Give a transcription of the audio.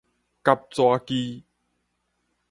㪉紙機